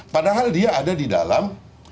padahal dia ada di dalam